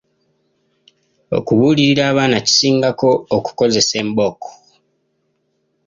Okubuulirira abaana kisingako okukozesa embooko.